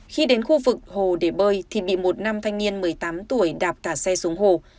khi đến khu vực hồ để bơi thì bị một nam thanh niên một mươi tám tuổi đạp thả xe xuống hồ